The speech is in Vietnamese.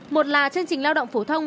một là chương trình lao động phổ thông